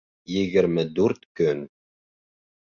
Егерме дүрт көн.